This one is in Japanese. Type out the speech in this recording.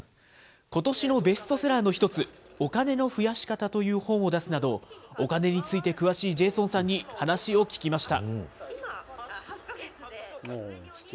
ことしのベストセラーの一つ、お金の増やし方という本を出すなど、お金について詳しいジェイソンさんに話を聞きました。